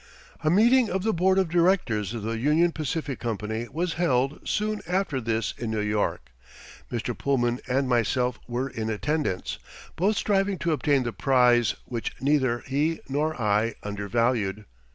A meeting of the board of directors of the Union Pacific Company was held soon after this in New York. Mr. Pullman and myself were in attendance, both striving to obtain the prize which neither he nor I undervalued.